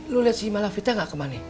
lo liat si malavita gak ke mana nih